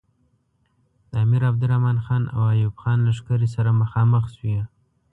د امیر عبدالرحمن خان او ایوب خان لښکرې سره مخامخ شوې.